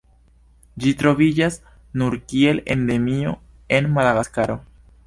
Ĝi troviĝas nur kiel endemio en Madagaskaro.